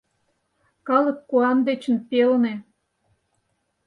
Калык куан дечын пелне.